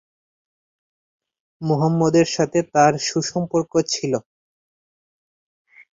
মুহাম্মাদ এর সাথে তার সুসম্পর্ক ছিলো।